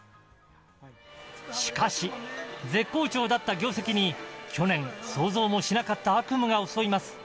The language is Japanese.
しかし絶好調だった業績に去年、想像もしなかった悪夢が襲います。